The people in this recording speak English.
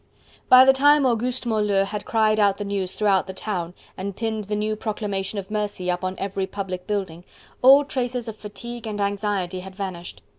By the time Auguste Moleux had cried out the news throughout the town, and pinned the new proclamation of mercy up on every public building, all traces of fatigue and anxiety had vanished.